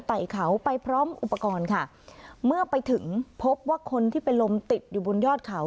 ไต่เขาไปพร้อมอุปกรณ์ค่ะเมื่อไปถึงพบว่าคนที่เป็นลมติดอยู่บนยอดเขา